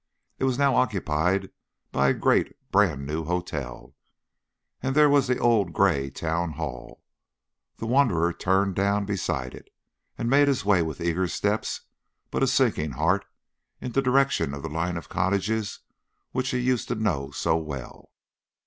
It was now occupied by a great brand new hotel. And there was the old grey Town Hall. The wanderer turned down beside it, and made his way with eager steps but a sinking heart in the direction of the line of cottages which he used to know so well.